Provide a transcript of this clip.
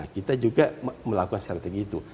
kita juga melakukan strategi itu